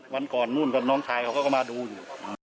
วันก่อนน้องชายเขาก็มาดูอยู่